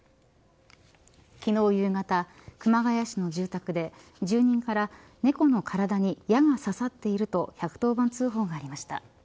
昨日夕方、熊谷市の住宅で住人から猫の体に矢が刺さっていると１１０番通報がありました。